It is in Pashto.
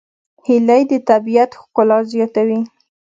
هیلۍ د طبیعت ښکلا زیاتوي